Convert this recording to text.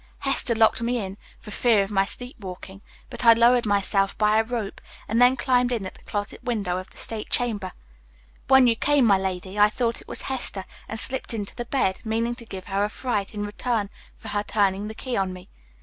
Hester locked me in, for fear of my sleepwalking; but I lowered myself by a rope and then climbed in at the closet window of the state chamber. When you came, my lady, I thought it was Hester, and slipped into the bed, meaning to give her a fright in return for her turning the key on me.